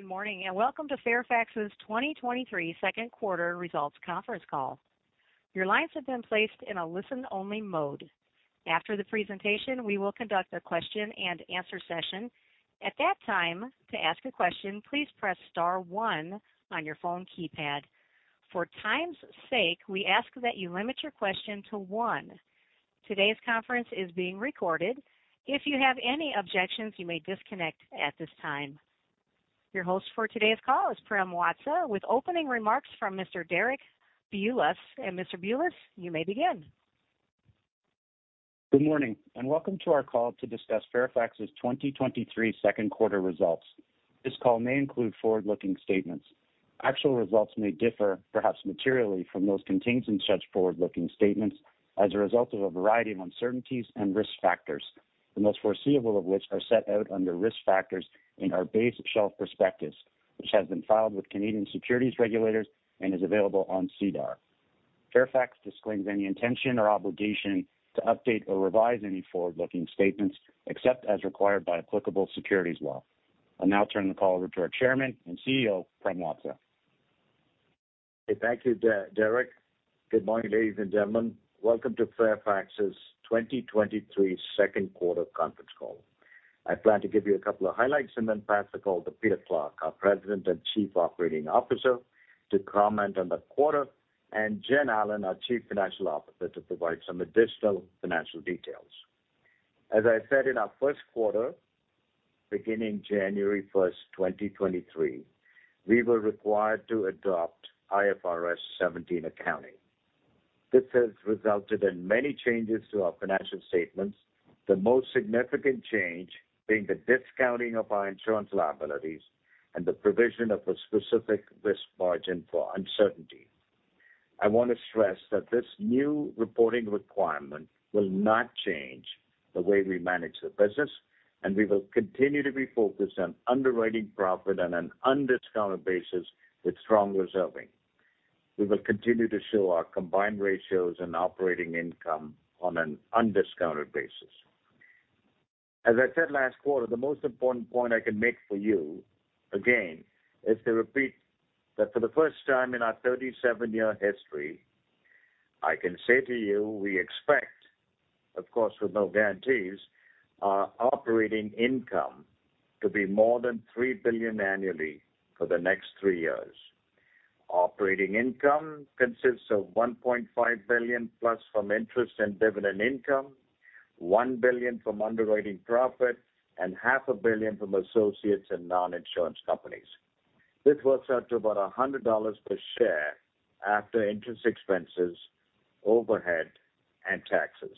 Good morning. Welcome to Fairfax's 2023 second quarter results Conference Call. Your lines have been placed in a listen-only mode. After the presentation, we will conduct a question-and-answer session. At that time, to ask a question, please press star one on your phone keypad. For time's sake, we ask that you limit your question to one. Today's conference is being recorded. If you have any objections, you may disconnect at this time. Your host for today's call is Prem Watsa, with opening remarks from Mr. Derek Bulas. Mr. Bulas, you may begin. Good morning, and welcome to our call to discuss Fairfax's 2023 second quarter results. This call may include forward-looking statements. Actual results may differ, perhaps materially, from those contained in such forward-looking statements as a result of a variety of uncertainties and risk factors, the most foreseeable of which are set out under Risk Factors in our base shelf prospectus, which has been filed with Canadian securities regulators and is available on SEDAR. Fairfax disclaims any intention or obligation to update or revise any forward-looking statements, except as required by applicable securities law. I'll now turn the call over to our Chairman and CEO, Prem Watsa. Thank you, Derek. Good morning, ladies and gentlemen. Welcome to Fairfax's 2023 second quarter conference call. I plan to give you a couple of highlights and then pass the call to Peter Clarke, our President and Chief Operating Officer, to comment on the quarter, and Jennifer Allen, our Chief Financial Officer, to provide some additional financial details. As I said in our first quarter, beginning January 1st, 2023, we were required to adopt IFRS 17 accounting. This has resulted in many changes to our financial statements, the most significant change being the discounting of our insurance liabilities and the provision of a specific risk margin for uncertainty. I want to stress that this new reporting requirement will not change the way we manage the business, and we will continue to be focused on underwriting profit on an undiscounted basis with strong reserving. We will continue to show our combined ratios and operating income on an undiscounted basis. As I said last quarter, the most important point I can make for you, again, is to repeat that for the first time in our 37-year history, I can say to you, we expect, of course, with no guarantees, our operating income to be more than $3 billion annually for the next three years. Operating income consists of $1.5 billion, plus from interest and dividend income, $1 billion from underwriting profit and $500 million from associates and non-insurance companies. This works out to about $100 per share after interest expenses, overhead, and taxes.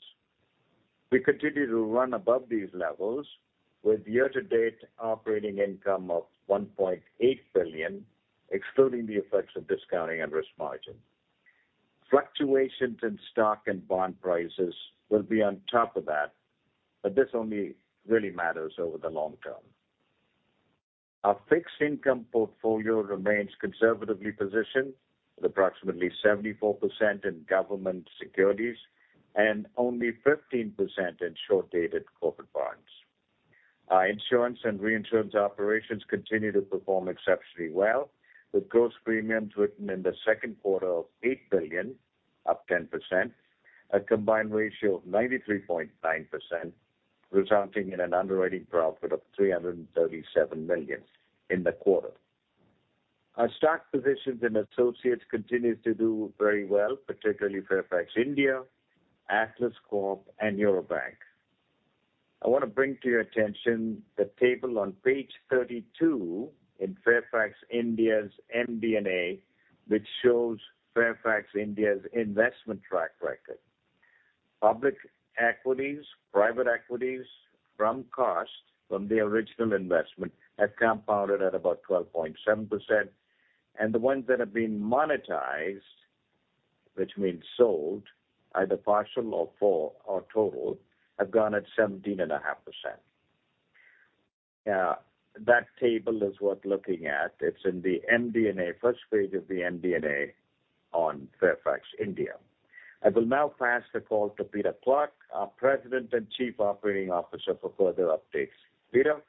We continue to run above these levels with year-to-date operating income of $1.8 billion, excluding the effects of discounting and risk margin. Fluctuations in stock and bond prices will be on top of that. This only really matters over the long-term. Our fixed income portfolio remains conservatively positioned, with approximately 74% in government securities and only 15% in short-dated corporate bonds. Our insurance and reinsurance operations continue to perform exceptionally well, with gross premiums written in the second quarter of $8 billion, up 10%, a combined ratio of 93.9%, resulting in an underwriting profit of $337 million in the quarter. Our stock positions and associates continue to do very well, particularly Fairfax India, Atlas Corp, and Eurobank. I want to bring to your attention the table on page 32 in Fairfax India's MD&A, which shows Fairfax India's investment track record. Public equities, private equities from cost from the original investment have compounded at about 12.7%, and the ones that have been monetized, which means sold, either partial or full or total, have gone at 17.5%. That table is worth looking at. It's in the MD&A, first page of the MD&A on Fairfax India. I will now pass the call to Peter Clarke, our President and Chief Operating Officer, for further updates. Peter?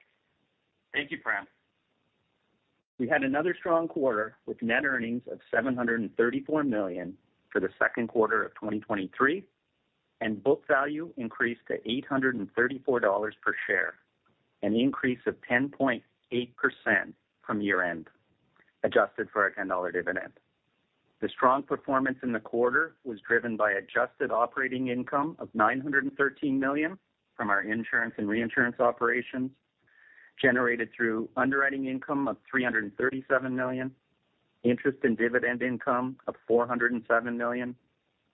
Thank you, Prem. We had another strong quarter with net earnings of $734 million for the second quarter of 2023. Book value increased to $834 per share, an increase of 10.8% from year-end, adjusted for our $10 dividend. The strong performance in the quarter was driven by adjusted operating income of $913 million from our insurance and reinsurance operations, generated through underwriting income of $337 million, interest and dividend income of $407 million,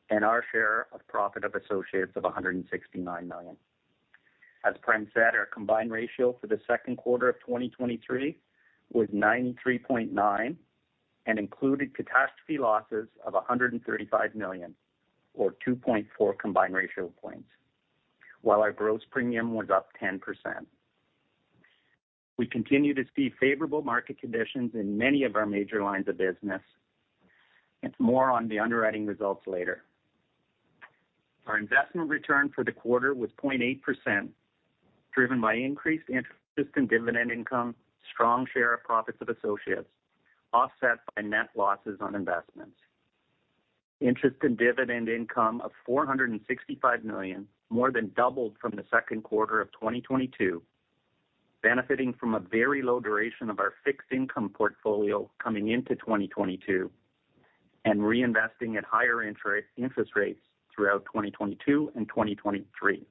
and our share of profit of associates of $169 million. As Prem said, our combined ratio for the second quarter of 2023 was 93.9 and included catastrophe losses of $135 million, or 2.4 combined ratio points, while our gross premium was up 10%. We continue to see favorable market conditions in many of our major lines of business. More on the underwriting results later. Our investment return for the quarter was 0.8%, driven by increased interest and dividend income, strong share of profits of associates, offset by net losses on investments. Interest and dividend income of $465 million, more than doubled from the second quarter of 2022, benefiting from a very low duration of our fixed income portfolio coming into 2022, and reinvesting at higher interest rates throughout 2022 and 2023.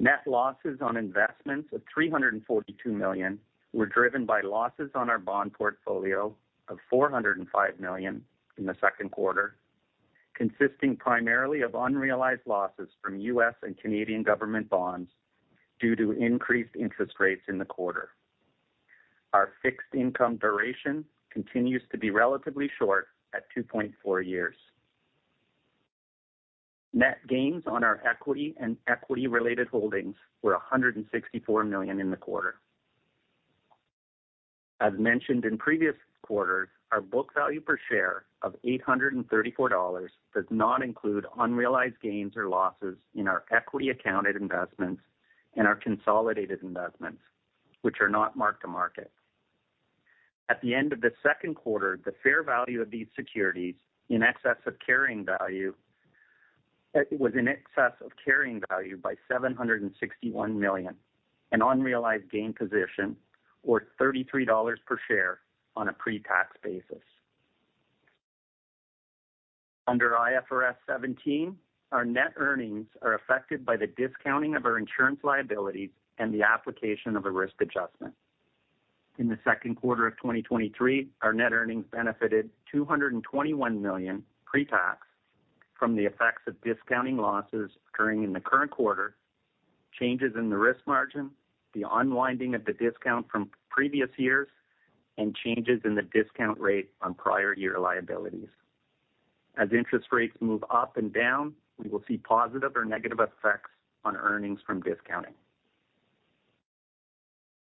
Net losses on investments of $342 million were driven by losses on our bond portfolio of $405 million in the second quarter, consisting primarily of unrealized losses from U.S. and Canadian government bonds due to increased interest rates in the quarter. Our fixed income duration continues to be relatively short at 2.4 years. Net gains on our equity and equity-related holdings were $164 million in the quarter. As mentioned in previous quarters, our book value per share of $834 does not include unrealized gains or losses in our equity accounted investments and our consolidated investments, which are not marked to market. At the end of the second quarter, the fair value of these securities, in excess of carrying value, was in excess of carrying value by $761 million, an unrealized gain position, or $33 per share on a pre-tax basis. Under IFRS 17, our net earnings are affected by the discounting of our insurance liabilities and the application of a risk adjustment. In the second quarter of 2023, our net earnings benefited $221 million pre-tax from the effects of discounting losses occurring in the current quarter, changes in the risk margin, the unwinding of the discount from previous years, and changes in the discount rate on prior year liabilities. As interest rates move up and down, we will see positive or negative effects on earnings from discounting.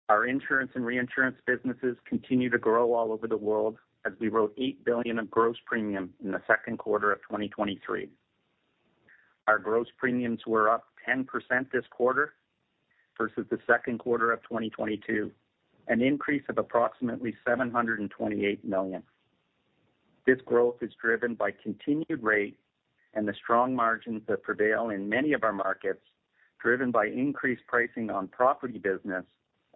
Our insurance and reinsurance businesses continue to grow all over the world as we wrote $8 billion of gross premium in the second quarter of 2023. Our gross premiums were up 10% this quarter versus the second quarter of 2022, an increase of approximately $728 million. This growth is driven by continued rate and the strong margins that prevail in many of our markets, driven by increased pricing on property business,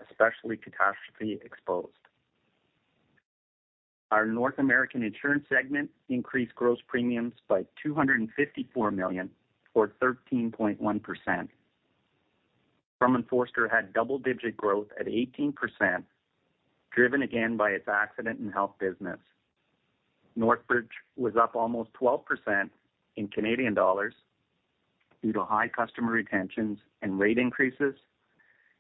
especially catastrophe exposed. Our North American insurance segment increased gross premiums by 254 million, or 13.1%. Crum & Forster had double-digit growth at 18%, driven again by its accident and health business. Northbridge was up almost 12% in Canadian dollars due to high customer retentions and rate increases.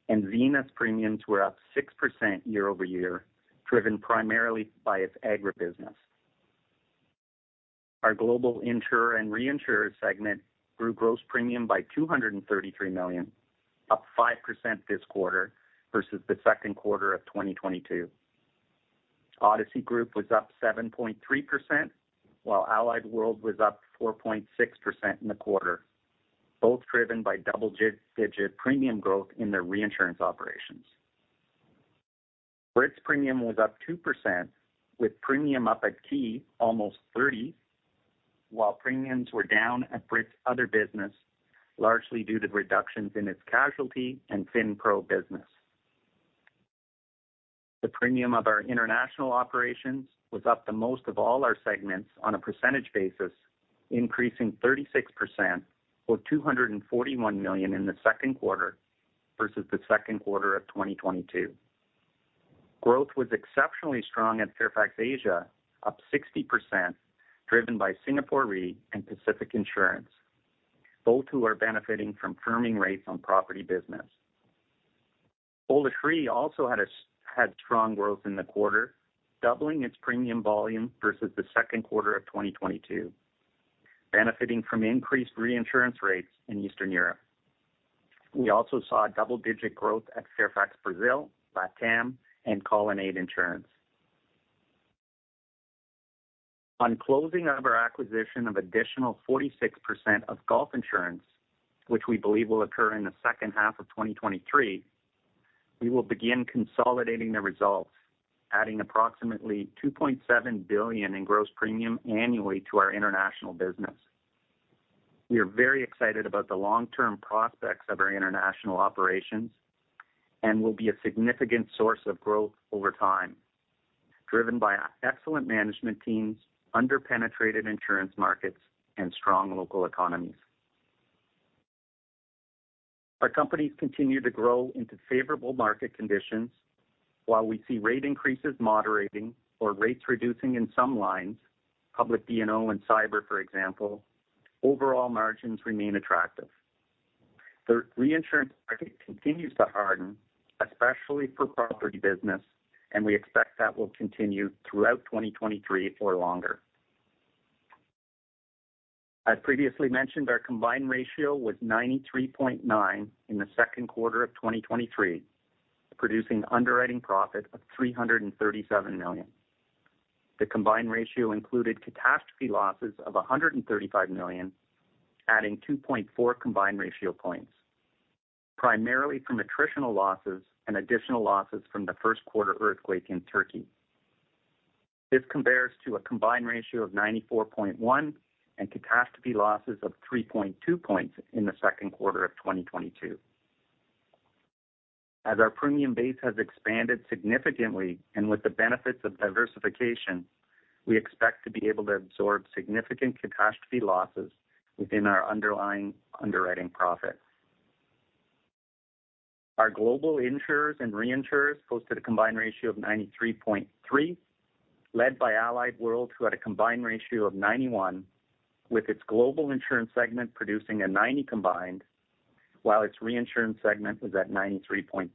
Seneca's premiums were up 6% year-over-year, driven primarily by its agribusiness. Our global insurer and reinsurer segment grew gross premium by 233 million, up 5% this quarter versus the second quarter of 2022. Odyssey Group was up 7.3%, while Allied World was up 4.6% in the quarter, both driven by double-digit premium growth in their reinsurance operations. Brit's premium was up 2%, with premium up at Ki, almost 30%, while premiums were down at Brit's other business, largely due to reductions in its casualty and FinPro business. The premium of our international operations was up the most of all our segments on a percentage basis, increasing 36% or $241 million in the second quarter versus the second quarter of 2022. Growth was exceptionally strong at Fairfax Asia, up 60%, driven by Singapore Re and Pacific Insurance, both who are benefiting from firming rates on property business. Polish Re also had strong growth in the quarter, doubling its premium volume versus the second quarter of 2022, benefiting from increased reinsurance rates in Eastern Europe. We also saw double-digit growth at Fairfax Brazil, LatAm, and Colonnade Insurance. On closing of our acquisition of additional 46% of Gulf Insurance, which we believe will occur in the second half of 2023, we will begin consolidating the results, adding approximately $2.7 billion in gross premium annually to our international business. We are very excited about the long-term prospects of our international operations and will be a significant source of growth over time, driven by our excellent management teams, underpenetrated insurance markets, and strong local economies. Our companies continue to grow into favorable market conditions. While we see rate increases moderating or rates reducing in some lines, public D&O and cyber, for example, overall margins remain attractive. The reinsurance market continues to harden, especially for property business, and we expect that will continue throughout 2023 or longer. As previously mentioned, our combined ratio was 93.9 in the second quarter of 2023. producing underwriting profit of $337 million. The combined ratio included catastrophe losses of $135 million, adding 2.4 combined ratio points, primarily from attritional losses and additional losses from the 1st quarter earthquake in Turkey. This compares to a combined ratio of 94.1 and catastrophe losses of 3.2 points in the 2nd quarter of 2022. As our premium base has expanded significantly and with the benefits of diversification, we expect to be able to absorb significant catastrophe losses within our underlying underwriting profit. Our global insurers and reinsurers posted a combined ratio of 93.3, led by Allied World, who had a combined ratio of 91, with its global insurance segment producing a 90 combined, while its reinsurance segment was at 93.3.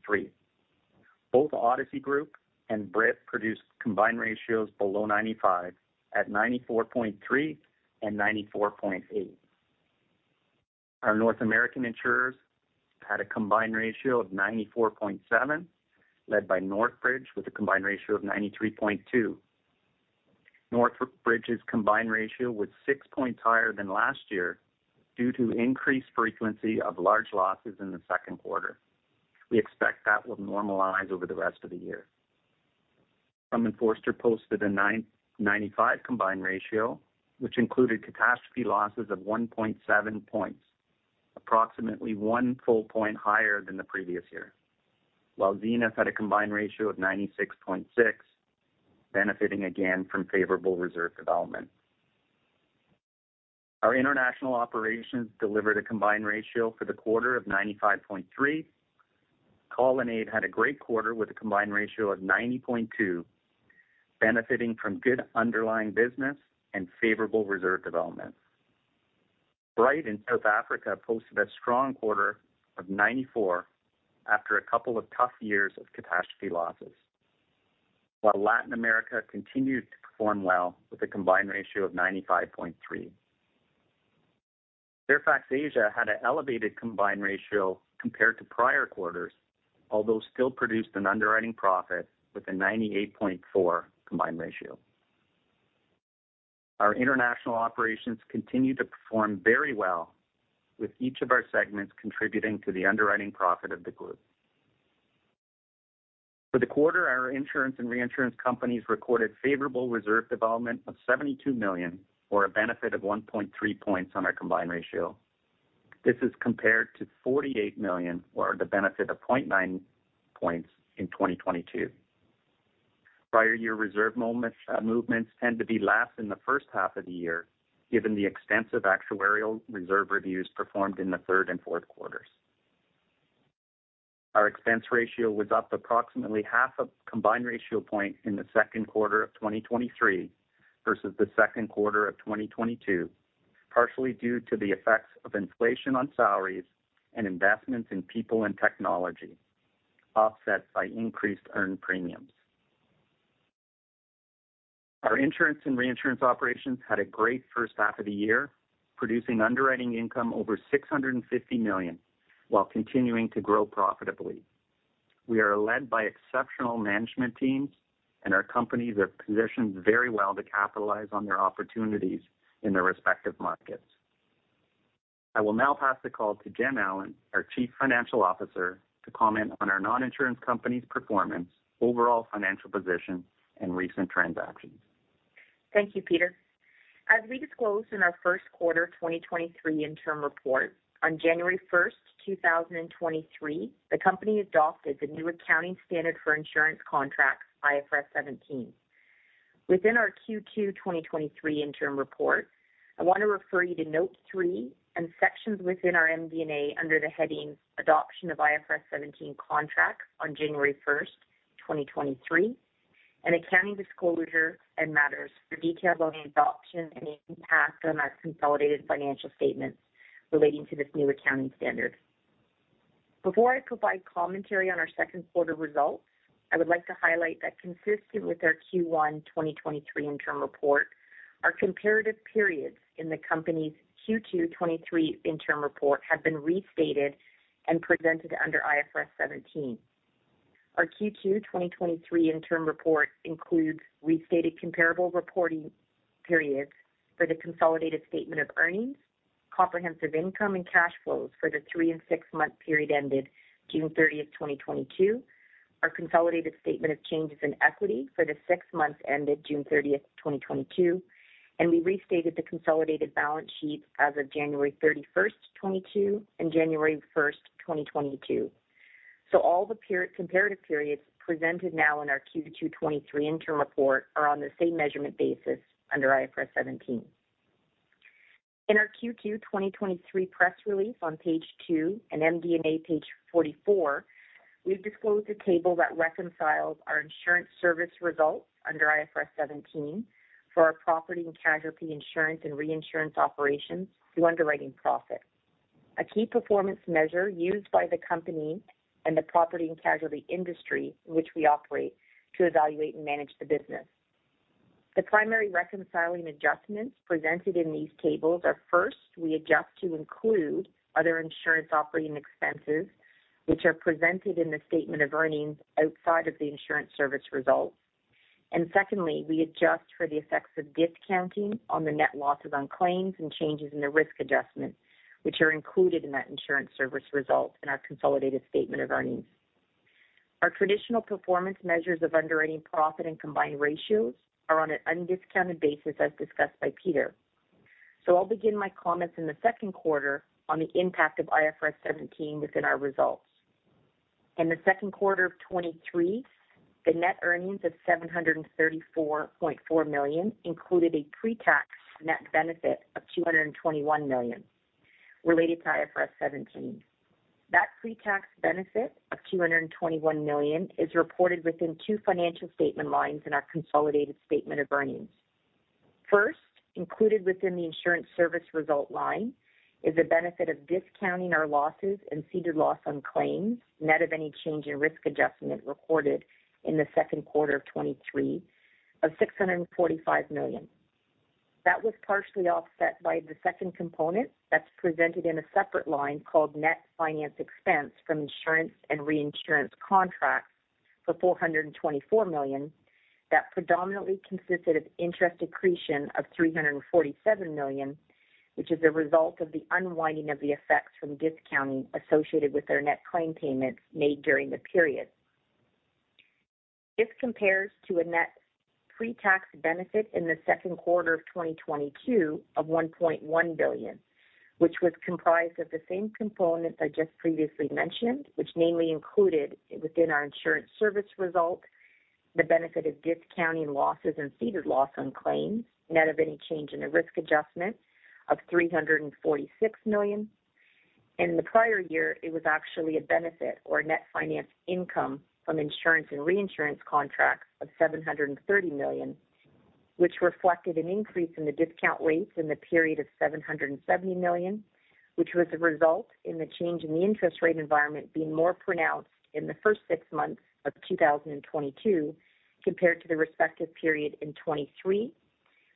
Both Odyssey Group and Brit produced combined ratios below 95, at 94.3 and 94.8. Our North American insurers had a combined ratio of 94.7, led by Northbridge, with a combined ratio of 93.2. Northbridge's combined ratio was 6 points higher than last year due to increased frequency of large losses in the second quarter. We expect that will normalize over the rest of the year. Crum & Forster posted a 95 combined ratio, which included catastrophe losses of 1.7 points, approximately one full point higher than the previous year, while Zenith had a combined ratio of 96.6, benefiting again from favorable reserve development. Our international operations delivered a combined ratio for the quarter of 95.3. Colonnade had a great quarter with a combined ratio of 90.2, benefiting from good underlying business and favorable reserve development. Bryte in South Africa posted a strong quarter of 94 after a couple of tough years of catastrophe losses, while Latin America continued to perform well with a combined ratio of 95.3. Fairfax Asia had an elevated combined ratio compared to prior quarters, although still produced an underwriting profit with a 98.4 combined ratio. Our international operations continue to perform very well, with each of our segments contributing to the underwriting profit of the group. For the quarter, our insurance and reinsurance companies recorded favorable reserve development of $72 million, or a benefit of 1.3 points on our combined ratio. This is compared to $48 million, or the benefit of 0.9 points in 2022. Prior year reserve moment, movements tend to be less in the first half of the year, given the extensive actuarial reserve reviews performed in the third and fourth quarters. Our expense ratio was up approximately 0.5 combined ratio point in the second quarter of 2023 versus the second quarter of 2022, partially due to the effects of inflation on salaries and investments in people and technology, offset by increased earned premiums. Our insurance and reinsurance operations had a great first half of the year, producing underwriting income over $650 million, while continuing to grow profitably. Our companies are positioned very well to capitalize on their opportunities in their respective markets. I will now pass the call to Jen Allen, our Chief Financial Officer, to comment on our non-insurance company's performance, overall financial position, and recent transactions. Thank you, Peter. As we disclosed in our 1st quarter 2023 interim report, on January 1st, 2023, the company adopted the new accounting standard for insurance contracts, IFRS 17. Within our Q2 2023 interim report, I want to refer you to note three and sections within our MD&A under the heading Adoption of IFRS 17 Contracts on January 1st, 2023, and Accounting Disclosure and Matters, for details on the adoption and the impact on our consolidated financial statements relating to this new accounting standard. Before I provide commentary on our 2nd quarter results, I would like to highlight that consistent with our Q1 2023 interim report, our comparative periods in the company's Q2 2023 interim report have been restated and presented under IFRS 17. Our Q2 2023 interim report includes restated comparable reporting periods for the consolidated statement of earnings, comprehensive income and cash flows for the three and six-month period ended June 30th, 2022. Our consolidated statement of changes in equity for the 6 months ended June 30th, 2022, and we restated the consolidated balance sheet as of January 31st, 2022, and January 1st, 2022. All the comparative periods presented now in our Q2 2023 interim report are on the same measurement basis under IFRS 17. In our Q2 2023 press release on page two and MD&A page 44, we've disclosed a table that reconciles our insurance service results under IFRS 17 for our property and casualty insurance and reinsurance operations to underwriting profit, a key performance measure used by the company and the property and casualty industry in which we operate to evaluate and manage the business. The primary reconciling adjustments presented in these tables are, first, we adjust to include other insurance operating expenses, which are presented in the statement of earnings outside of the insurance service results. Secondly, we adjust for the effects of discounting on the net losses on claims and changes in the risk adjustment, which are included in that insurance service results in our consolidated statement of earnings. Our traditional performance measures of underwriting profit and combined ratios are on an undiscounted basis, as discussed by Peter. I'll begin my comments in the second quarter on the impact of IFRS 17 within our results. In the second quarter of 2023, the net earnings of $734.4 million included a pretax net benefit of $221 million related to IFRS 17. That pretax benefit of $221 million is reported within two financial statement lines in our consolidated statement of earnings. First, included within the insurance service result line is the benefit of discounting our losses and ceded loss on claims, net of any change in risk adjustment recorded in the second quarter of 2023 of $645 million. That was partially offset by the second component that's presented in a separate line called net finance expense from insurance and reinsurance contracts for $424 million. That predominantly consisted of interest accretion of $347 million, which is a result of the unwinding of the effects from discounting associated with our net claim payments made during the period. This compares to a net pretax benefit in the second quarter of 2022 of $1.1 billion, which was comprised of the same components I just previously mentioned, which namely included within our insurance service result, the benefit of discounting losses and ceded loss on claims, net of any change in the risk adjustment of $346 million. In the prior year, it was actually a benefit or net finance income from insurance and reinsurance contracts of $730 million, which reflected an increase in the discount rates in the period of $770 million, which was a result in the change in the interest rate environment being more pronounced in the first six months of 2022, compared to the respective period in 2023,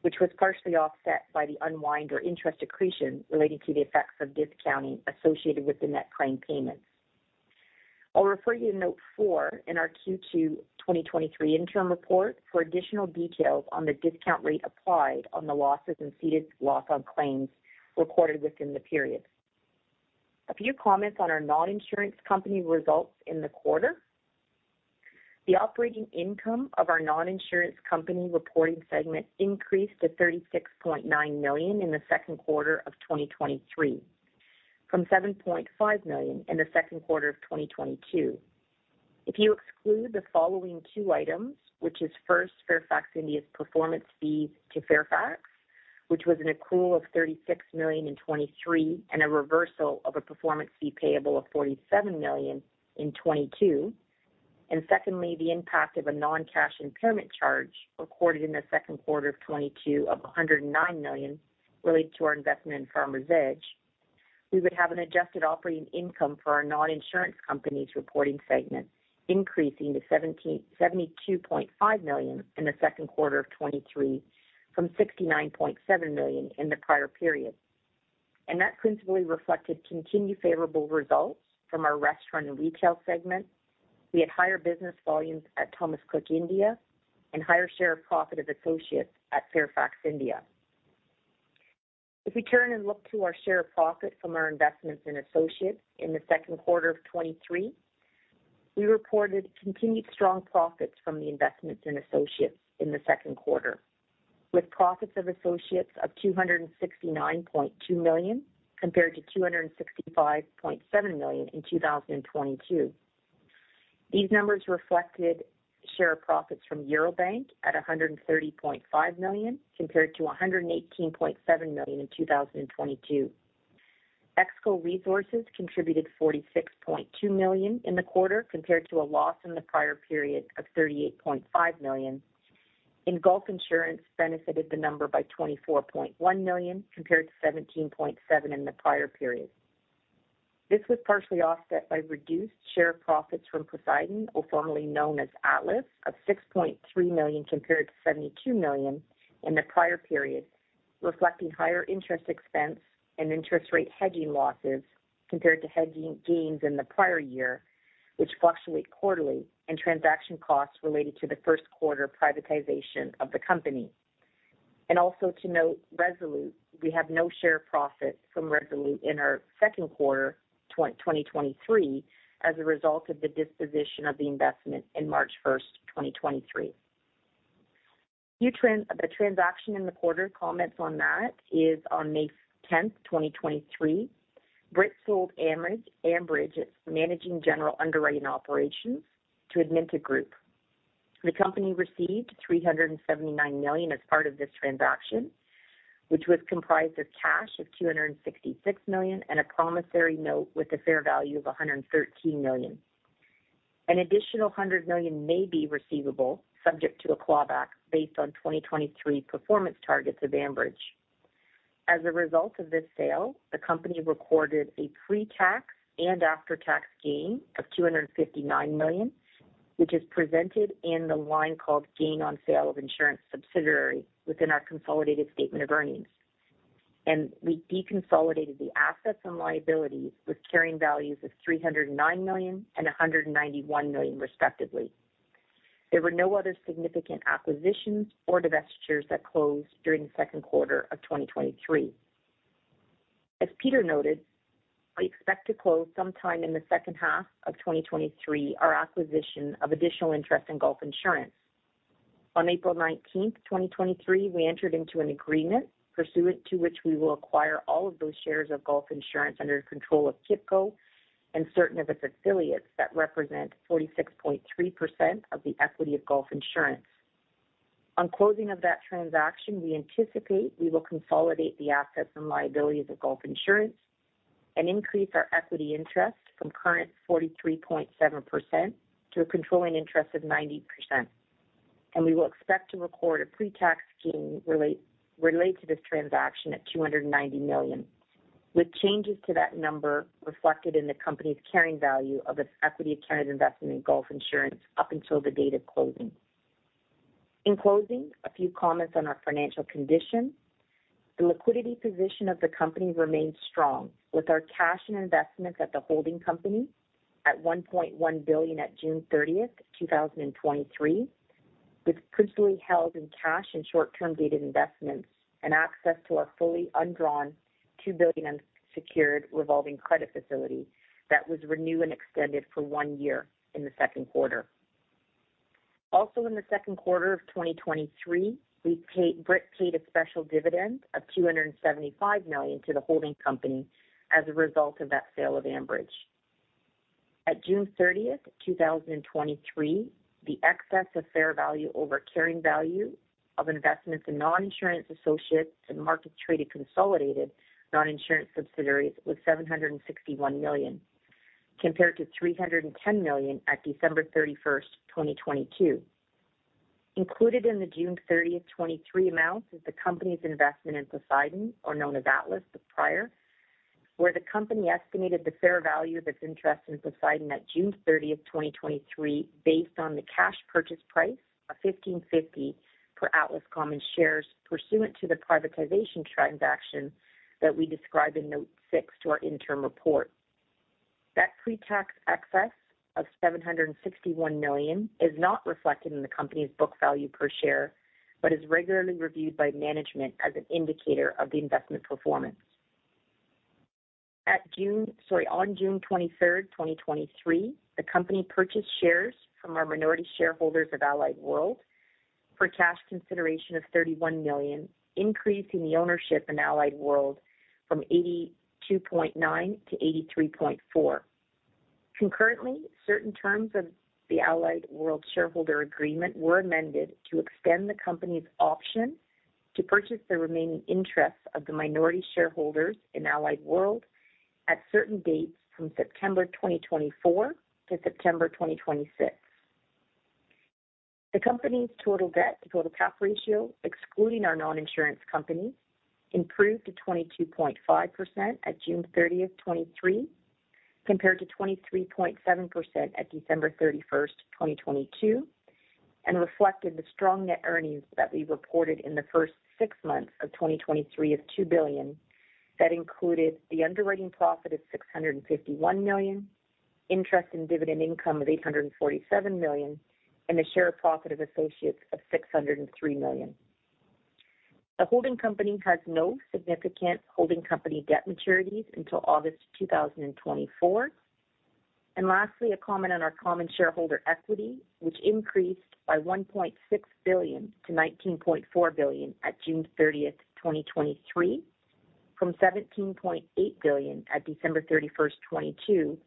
which was partially offset by the unwind or interest accretion relating to the effects of discounting associated with the net claim payments. I'll refer you to note four in our Q2 2023 interim report for additional details on the discount rate applied on the losses and ceded loss on claims recorded within the period. A few comments on our non-insurance company results in the quarter. The operating income of our non-insurance company reporting segment increased to $36.9 million in the second quarter of 2023, from $7.5 million in the second quarter of 2022. If you exclude the following two items, which is first, Fairfax India's performance fees to Fairfax, which was an accrual of $36 million in 2023, and a reversal of a performance fee payable of $47 million in 2022. Secondly, the impact of a non-cash impairment charge recorded in the second quarter of 2022 of $109 million related to our investment in Farmers Edge. We would have an adjusted operating income for our non-insurance companies reporting segment, increasing to $72.5 million in the second quarter of 2023 from $69.7 million in the prior period. That principally reflected continued favorable results from our restaurant and retail segment. We had higher business volumes at Thomas Cook India and higher share of profit of associates at Fairfax India. If we turn and look to our share of profit from our investments in associates in the second quarter of 2023, we reported continued strong profits from the investments in associates in the second quarter, with profits of associates of $269.2 million, compared to $265.7 million in 2022. These numbers reflected share of profits from Eurobank at $130.5 million, compared to $118.7 million in 2022. EXCO Resources contributed $46.2 million in the quarter, compared to a loss in the prior period of $38.5 million. Gulf Insurance benefited the number by $24.1 million, compared to $17.7 million in the prior period. This was partially offset by reduced share of profits from Poseidon, or formerly known as Atlas, of $6.3 million, compared to $72 million in the prior period, reflecting higher interest expense and interest rate hedging losses compared to hedging gains in the prior year, which fluctuate quarterly, and transaction costs related to the first quarter privatization of the company. Also to note Resolute, we have no share profit from Resolute in our second quarter 2023, as a result of the disposition of the investment in March 1st, 2023. New the transaction in the quarter, comments on that is on May 10, 2023, Brit sold Ambridge, Ambridge's managing general underwriting operations to Aventum Group. The company received $379 million as part of this transaction, which was comprised of cash of $266 million and a promissory note with a fair value of $113 million. An additional $100 million may be receivable, subject to a clawback based on 2023 performance targets of Ambridge. As a result of this sale, the company recorded a pretax and after-tax gain of $259 million, which is presented in the line called gain on sale of insurance subsidiary within our consolidated statement of earnings. We deconsolidated the assets and liabilities with carrying values of $309 million and $191 million, respectively. There were no other significant acquisitions or divestitures that closed during the second quarter of 2023. As Peter noted, we expect to close sometime in the second half of 2023, our acquisition of additional interest in Gulf Insurance. On April 19th, 2023, we entered into an agreement pursuant to which we will acquire all of those shares of Gulf Insurance under the control of KIPCO and certain of its affiliates that represent 46.3% of the equity of Gulf Insurance. On closing of that transaction, we anticipate we will consolidate the assets and liabilities of Gulf Insurance and increase our equity interest from current 43.7% to a controlling interest of 90%. We will expect to record a pretax gain related to this transaction at $290 million, with changes to that number reflected in the company's carrying value of its equity account investment in Gulf Insurance up until the date of closing. In closing, a few comments on our financial condition. The liquidity position of the company remains strong, with our cash and investments at the holding company at $1.1 billion at June 30, 2023, with principally held in cash and short-term dated investments and access to our fully undrawn $2 billion unsecured revolving credit facility that was renewed and extended for one year in the second quarter. Also, in the second quarter of 2023, Brit paid a special dividend of $275 million to the holding company as a result of that sale of Ambridge. At June 30th, 2023, the excess of fair value over carrying value of investments in non-insurance associates and market-traded consolidated non-insurance subsidiaries was $761 million, compared to $310 million at December 31st, 2022. Included in the June 30th, 2023 amount is the company's investment in Poseidon, or known as Atlas the prior, where the company estimated the fair value of its interest in Poseidon at June 30th, 2023, based on the cash purchase price of $15.50 per Atlas common shares, pursuant to the privatization transaction that we describe in Note six to our interim report. That pretax excess of $761 million is not reflected in the company's book value per share, but is regularly reviewed by management as an indicator of the investment performance. On June 23rd, 2023, the company purchased shares from our minority shareholders of Allied World for cash consideration of $31 million, increasing the ownership in Allied World from 82.9% to 83.4%. Concurrently, certain terms of the Allied World shareholder agreement were amended to extend the company's option to purchase the remaining interests of the minority shareholders in Allied World at certain dates from September 2024-September 2026. The company's total debt to total cap ratio, excluding our non-insurance company, improved to 22.5% at June 30th, 2023, compared to 23.7% at December 31st, 2022, and reflected the strong net earnings that we reported in the first 6 months of 2023 of $2 billion. That included the underwriting profit of $651 million, interest in dividend income of $847 million, and the share of profit of associates of $603 million. The holding company has no significant holding company debt maturities until August 2024. Lastly, a comment on our common shareholder equity, which increased by $1.6 billion-$19.4 billion at June 30th, 2023, from $17.8 billion at December 31st, 2022.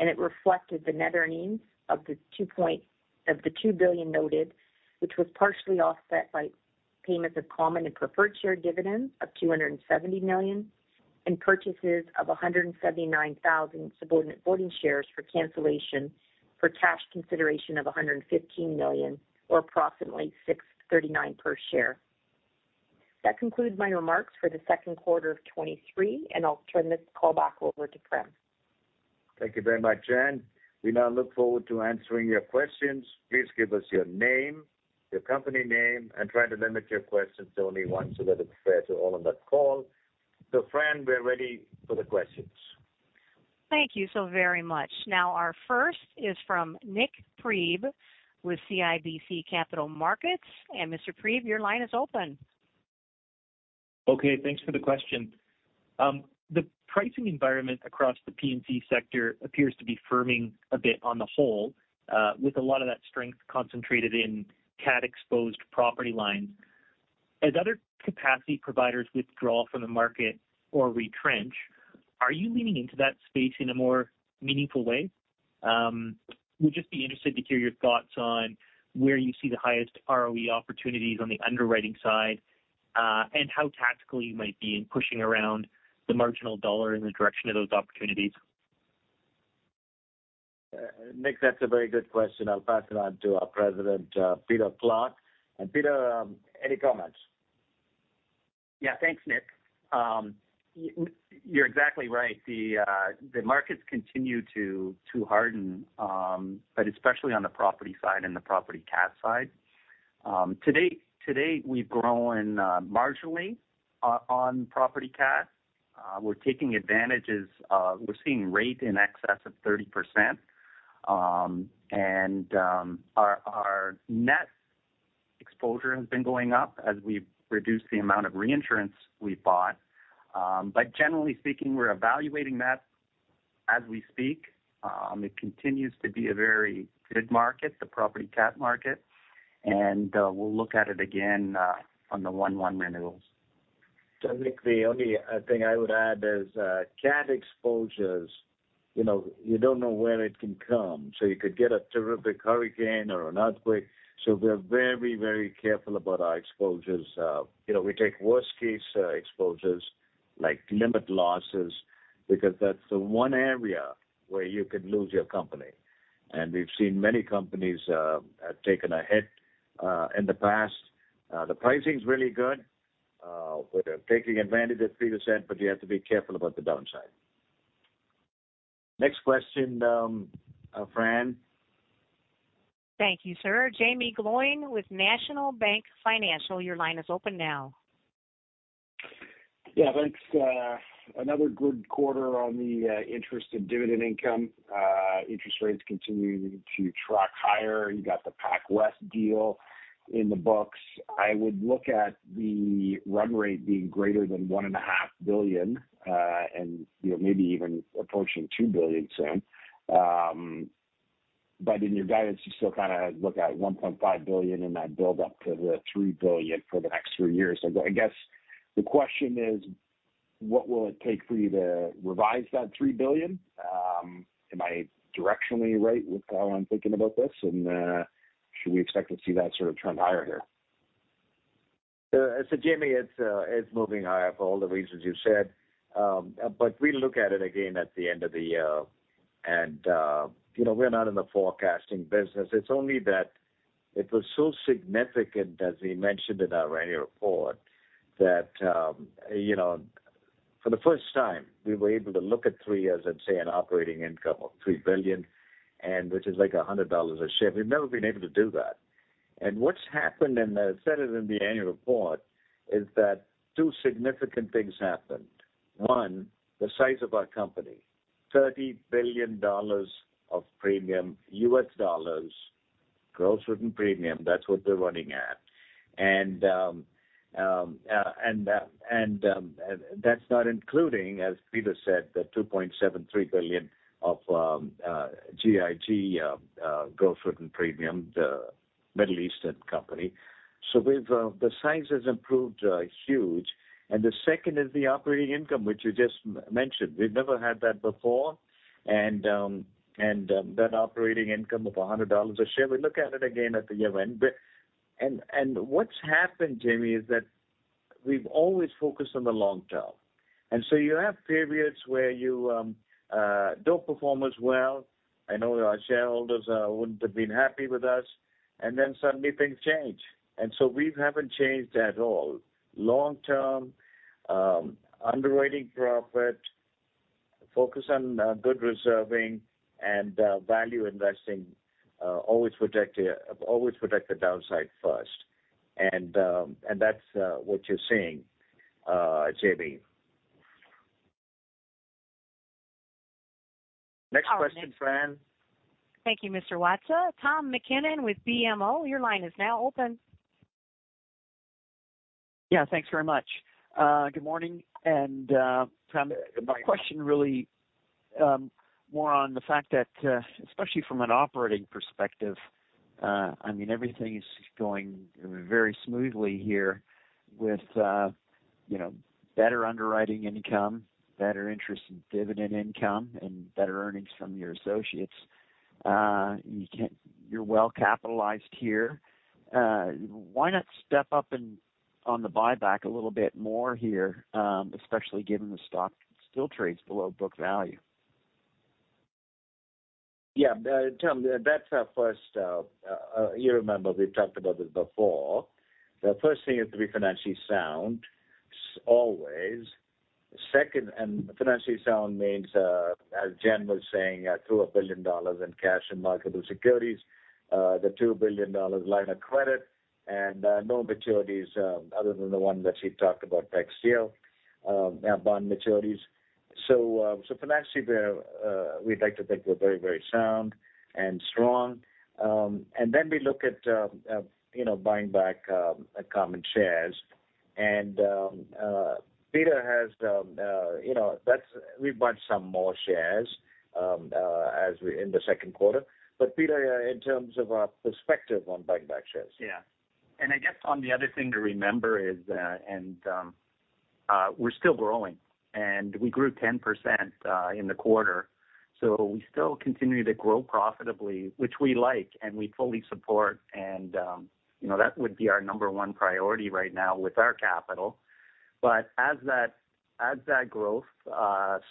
It reflected the net earnings of the $2 billion noted, which was partially offset by payments of common and preferred share dividends of $270 million, and purchases of 179,000 subordinate voting shares for cancellation for cash consideration of $115 million, or approximately $6.39 per share. That concludes my remarks for the second quarter of 2023. I'll turn this call back over to Prem. Thank you very much, Jen. We now look forward to answering your questions. Please give us your name, your company name, and try to limit your questions to only one so that it's fair to all on that call. Fran, we're ready for the questions. Thank you so very much. Now, our first is from Nik Priebe with CIBC Capital Markets. Mr. Priebe, your line is open. Okay, thanks for the question. The pricing environment across the P&C sector appears to be firming a bit on the whole, with a lot of that strength concentrated in cat-exposed property lines. As other capacity providers withdraw from the market or retrench, are you leaning into that space in a more meaningful way? We'd just be interested to hear your thoughts on where you see the highest ROE opportunities on the underwriting side, and how tactical you might be in pushing around the marginal dollar in the direction of those opportunities? Nik, that's a very good question. I'll pass it on to our President, Peter Clarke. Peter, any comments? Yeah, thanks, Nik. You're exactly right. The markets continue to harden, but especially on the property side and the property cat side. To date, to date, we've grown marginally on property cat. We're taking advantages, we're seeing rate in excess of 30%. Our net exposure has been going up as we've reduced the amount of reinsurance we bought. Generally speaking, we're evaluating that as we speak. It continues to be a very good market, the property cat market, and we'll look at it again on the one-one renewals. Nick, the only thing I would add is, cat exposures, you know, you don't know where it can come, so you could get a terrific hurricane or an earthquake. We're very, very careful about our exposures. You know, we take worst case exposures, like limit losses, because that's the one area where you could lose your company. We've seen many companies have taken a hit in the past. The pricing's really good. We're taking advantage, as Peter said, but you have to be careful about the downside. Next question, Fran. Thank you, sir. Jaeme Gloyn with National Bank Financial, your line is open now. Yeah, thanks. Another good quarter on the interest and dividend income. Interest rates continuing to track higher, you got the PacWest deal in the books. I would look at the run rate being greater than $1.5 billion, and, you know, maybe even approaching $2 billion soon. In your guidance, you still kind of look at $1.5 billion in that build up to the $3 billion for the next three years. I, I guess, the question is, what will it take for you to revise that $3 billion? Am I directionally right with how I'm thinking about this? Should we expect to see that sort of trend higher here? Jaeme, it's moving higher for all the reasons you said. We look at it again at the end of the year, and, you know, we're not in the forecasting business. It's only that it was so significant, as we mentioned in our annual report, that, you know, for the first time, we were able to look at three years and say an operating income of $3 billion, which is like $100 a share. We've never been able to do that. What's happened, and I said it in the annual report, is that two significant things happened. One, the size of our company, $30 billion of premium, U.S. dollars, gross written premium, that's what we're running at. That's not including, as Peter said, the $2.73 billion of GIG gross written premium, the Middle Eastern company. We've the size has improved huge. The second is the operating income, which you just mentioned. We've never had that before, and that operating income of $100 a share, we look at it again at the year-end. What's happened, Jaeme, is that we've always focused on the long-term. You have periods where you don't perform as well. I know our shareholders wouldn't have been happy with us, and then suddenly things change. We haven't changed at all. Long-term, underwriting profit, focus on good reserving and value investing, always protect the, always protect the downside first. That's what you're seeing, Jaeme. Next question, Fran. Thank you, Mr. Watsa. Tom MacKinnon with BMO, your line is now open. Yeah, thanks very much. Good morning, Tom, my question really, more on the fact that, especially from an operating perspective, I mean, everything is going very smoothly here with, you know, better underwriting income, better interest in dividend income, and better earnings from your associates. You're well capitalized here. Why not step up and on the buyback a little bit more here, especially given the stock still trades below book value? Tom, that's our first, you remember, we've talked about this before. The first thing is to be financially sound, always. Second, financially sound means, as Jen was saying, $2 billion in cash and marketable securities, the $2 billion line of credit, no maturities, other than the one that she talked about, tax deal, our bond maturities. So financially, we're, we'd like to think we're very, very sound and strong. Then we look at, you know, buying back our common shares. Peter has, you know, that's we've bought some more shares in the second quarter. Peter, in terms of our perspective on buying back shares. Yeah. I guess on the other thing to remember is that, and, we're still growing, and we grew 10% in the quarter. We still continue to grow profitably, which we like and we fully support. You know, that would be our number one priority right now with our capital. As that as that growth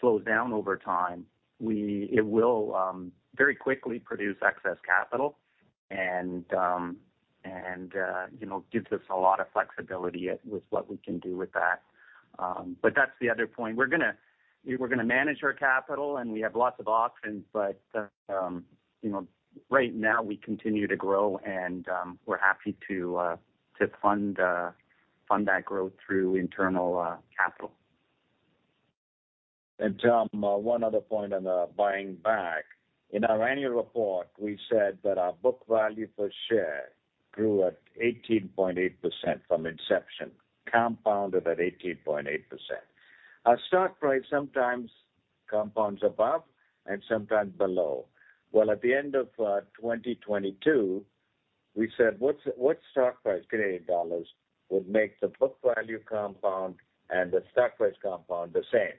slows down over time, we- it will very quickly produce excess capital, and, and, you know, gives us a lot of flexibility at, with what we can do with that. That's the other point. We're gonna, we're gonna manage our capital, and we have lots of options, but, you know, right now, we continue to grow, and, we're happy to, to fund, fund that growth through internal, capital. Tom, one other point on buying back. In our annual report, we said that our book value per share grew at 18.8% from inception, compounded at 18.8%. Our stock price sometimes compounds above and sometimes below. Well, at the end of 2022, we said, what's, what stock price Canadian dollars would make the book value compound and the stock price compound the same?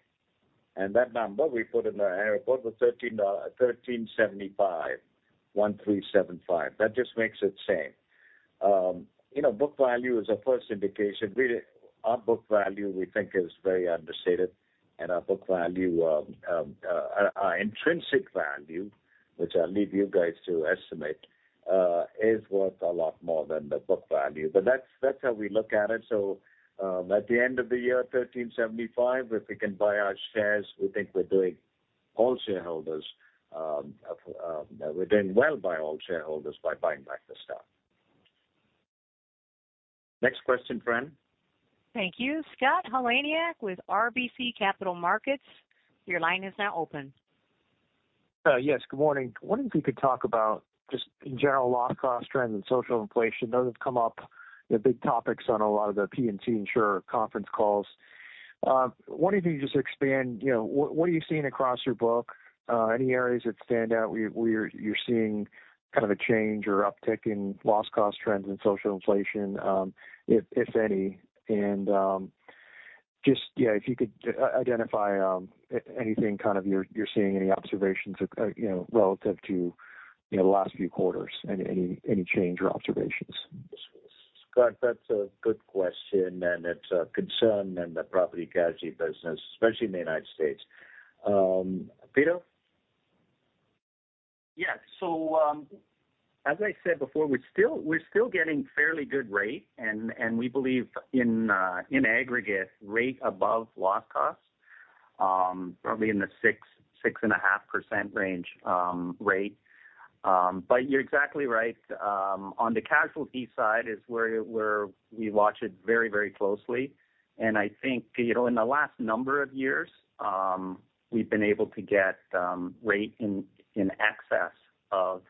That number we put in the annual report was $1,375. That just makes it same. You know, book value is a first indication. We, our book value, we think is very understated, and our book value, our intrinsic value, which I'll leave you guys to estimate, is worth a lot more than the book value. That's, that's how we look at it. At the end of the year, $1,375, if we can buy our shares, we think we're doing all shareholders, we're doing well by all shareholders by buying back the stock. Next question, Fran. Thank you. Scott Heleniak with RBC Capital Markets, your line is now open. Yes, good morning. I wonder if you could talk about just in general, loss cost trends and social inflation. Those have come up, the big topics on a lot of the P&C insurer conference calls. Wondering if you could just expand, you know, what, what are you seeing across your book? Any areas that stand out where, where you're seeing kind of a change or uptick in loss cost trends and social inflation, if, if any, and, just, yeah, if you could i- identify, anything kind of you're, you're seeing, any observations, you know, relative to, you know, the last few quarters, any, any, any change or observations? Scott, that's a good question, and it's a concern in the property casualty business, especially in the United States. Peter? Yeah. As I said before, we're still getting fairly good rate, and we believe in aggregate, rate above loss cost, probably in the 6-6.5% range, rate. You're exactly right. On the casualty side is where we watch it very, very closely. I think, you know, in the last number of years, we've been able to get rate in excess of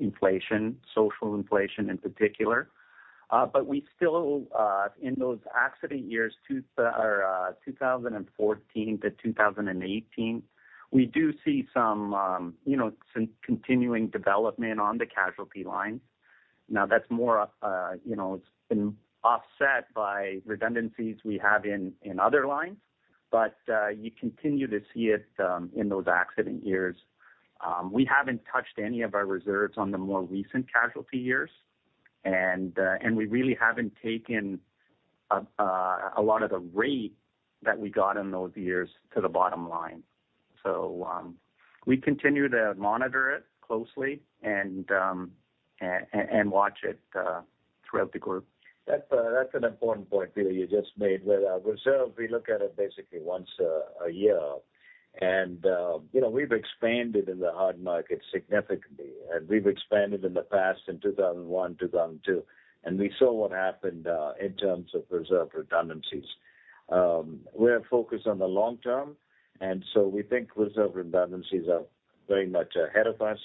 inflation, social inflation in particular. We still in those accident years, 2014-2018, we do see some, you know, some continuing development on the casualty lines. That's more, you know, it's been offset by redundancies we have in, in other lines. You continue to see it, in those accident years. We haven't touched any of our reserves on the more recent casualty years, and we really haven't taken, a lot of the rate that we got in those years to the bottom line. We continue to monitor it closely and watch it, throughout the group. That's, that's an important point, Peter, you just made. With our reserve, we look at it basically once a year. You know, we've expanded in the hard market significantly, and we've expanded in the past, in 2001, 2002, and we saw what happened in terms of reserve redundancies. We're focused on the long-term, and so we think reserve redundancies are very much ahead of us.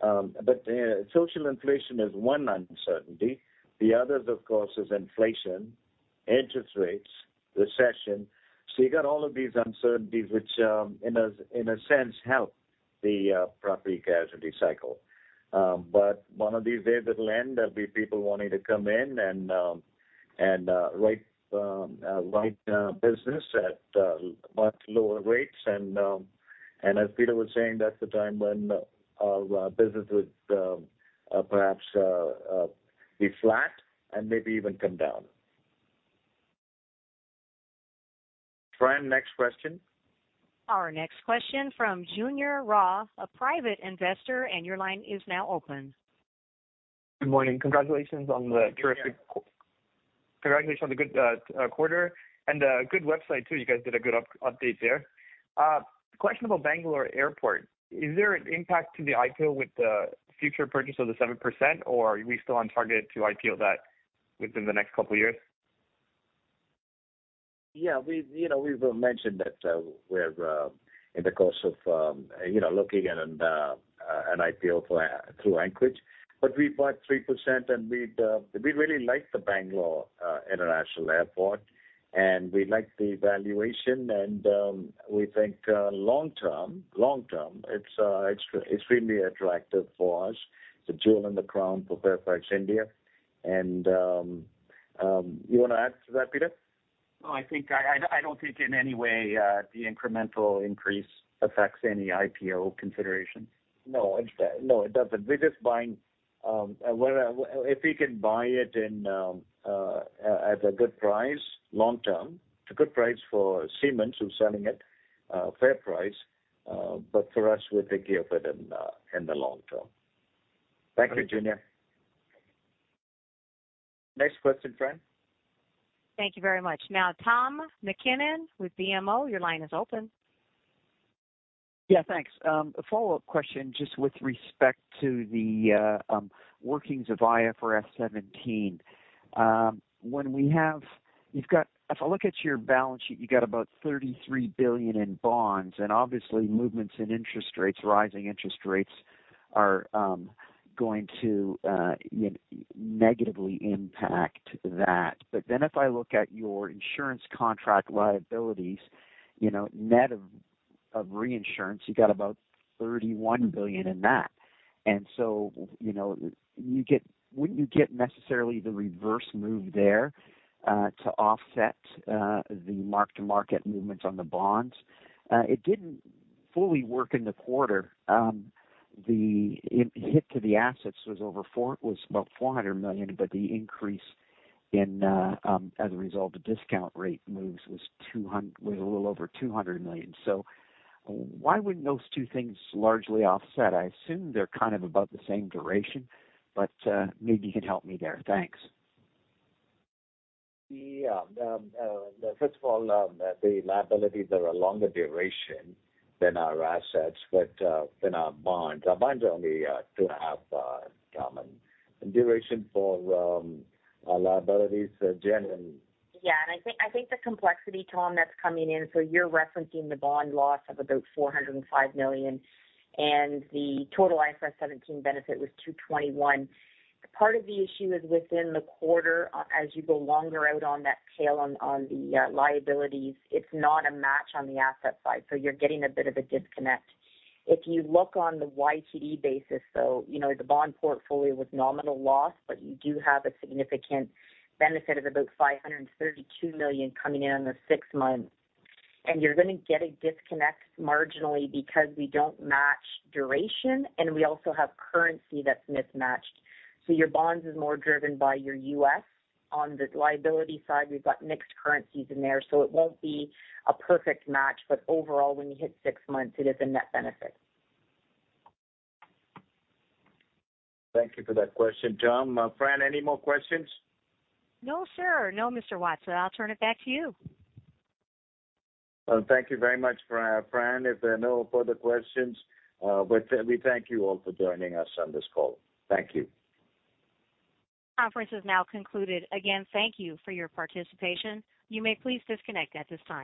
But social inflation is one uncertainty. The other, of course, is inflation, interest rates, recession. You got all of these uncertainties, which, in a sense, help the property casualty cycle. But one of these days, it'll end, there'll be people wanting to come in and write business at much lower rates. As Peter was saying, that's the time when our business would perhaps be flat and maybe even come down. Fran, next question. Our next question from Junior Rah, a private investor. Your line is now open. Good morning. Congratulations on the terrific- Good morning. Congratulations on the good quarter, and good website, too. You guys did a good update there. Question about Bangalore Airport. Is there an impact to the IPO with the future purchase of the 7%, or are we still on target to IPO that within the next couple of years? Yeah, we've, you know, we've mentioned that we're in the course of, you know, looking at an IPO through, through Anchorage. We bought 3%, and we'd we really like the Bangalore International Airport, and we like the valuation, and we think long-term, long-term, it's extremely attractive for us, the jewel in the crown for Fairfax India. You want to add to that, Peter? No, I think I don't think in any way, the incremental increase affects any IPO consideration. No, it no, it doesn't. We're just buying. Where, if we can buy it in, at a good price, long-term, it's a good price for Siemens who's selling it, fair price, but for us, we'll take care of it in, in the long-term. Thank you, Junior. Next question, Fran. Thank you very much. Tom McKinnon with BMO, your line is open. Yeah, thanks. A follow-up question, just with respect to the workings of IFRS 17. If I look at your balance sheet, you got about $33 billion in bonds, and obviously movements in interest rates, rising interest rates are going to, you, negatively impact that. If I look at your insurance contract liabilities, you know, net of, of reinsurance, you got about $31 billion in that. You know, you get, wouldn't you get necessarily the reverse move there to offset the mark-to-market movements on the bonds? It didn't fully work in the quarter. The, it hit to the assets was about $400 million, but the increase in, as a result, the discount rate moves was a little over $200 million. Why wouldn't those two things largely offset? I assume they're kind of about the same duration, but maybe you can help me there. Thanks. Yeah, first of all, the liabilities are a longer duration than our assets, but than our bonds. Our bonds are only 2.5 common. Duration for our liabilities are generally... Yeah, I think, I think the complexity, Tom, that's coming in, so you're referencing the bond loss of about $405 million, and the total IFRS 17 benefit was $221. Part of the issue is within the quarter, as you go longer out on that tail on, on the liabilities, it's not a match on the asset side, so you're getting a bit of a disconnect. If you look on the YTD basis, though, you know, the bond portfolio was nominal loss, but you do have a significant benefit of about $532 million coming in on the 6th month. You're going to get a disconnect marginally because we don't match duration, and we also have currency that's mismatched. Your bonds is more driven by your U.S. On the liability side, we've got mixed currencies in there, so it won't be a perfect match. Overall, when you hit 6 months, it is a net benefit. Thank you for that question, Tom. Fran, any more questions? No, sir. No, Mr. Watsa, I'll turn it back to you. Well, thank you very much, Fran, if there are no further questions. We thank you all for joining us on this call. Thank you. Conference is now concluded. Again, thank you for your participation. You may please disconnect at this time.